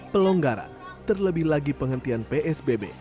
pelonggaran terlebih lagi penghentian psbb